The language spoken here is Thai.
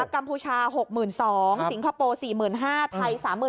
กัมพูชา๖๒๐๐๐สิงคโปร๔๕๐๐๐ไทย๓๘๐๐๐